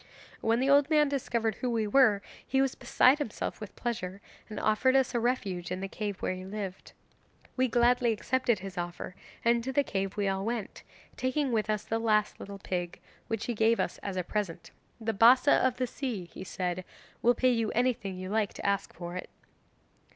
'When the old man discovered who we were he was beside himself with pleasure, and offered us a refuge in the cave where he lived. We gladly accepted his offer, and to the cave we all went, taking with us the last little pig, which he gave us as a present. '"The Bassa of the Sea," he added, "will pay you anything you like to ask for it."